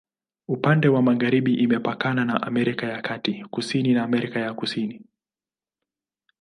Upande wa magharibi imepakana na Amerika ya Kati, kusini na Amerika ya Kusini.